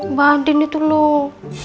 mbak andin itu loh